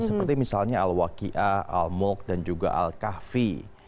seperti misalnya al waqiah al muq dan juga al kahfi